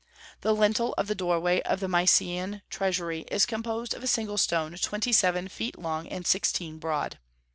The lintel of the doorway of the Mycenaean treasury is composed of a single stone twenty seven feet long and sixteen broad.